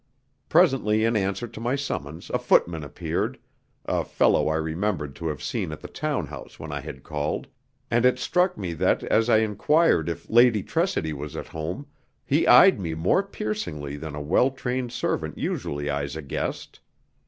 Presently in answer to my summons a footman appeared (a fellow I remembered to have seen at the town house when I had called), and it struck me that, as I enquired if Lady Tressidy was at home, he eyed me more piercingly than a well trained servant usually eyes a guest.